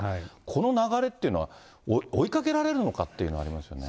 この流れっていうのは、追いかけられるのかっていうのがありますよね。